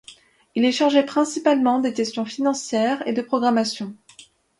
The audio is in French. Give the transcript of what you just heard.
Il est chargé principalement des questions financières et de programmation.